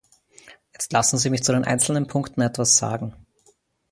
Jetzt lassen Sie mich zu den einzelnen Punkten etwas sagen.